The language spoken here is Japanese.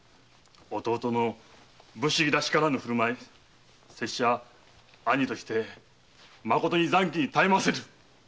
弟の武士らしからぬ振る舞い兄としてまことに慙愧に堪えませぬ。